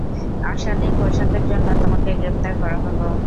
অশালীন পোশাকের জন্য তোমাকে গ্রেপ্তার করা হলো।